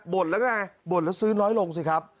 ่นแล้วก็ไงบ่นแล้วซื้อน้อยลงสิครับ